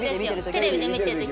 テレビで見てる時。